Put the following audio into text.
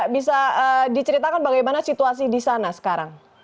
bisa diceritakan bagaimana situasi di sana sekarang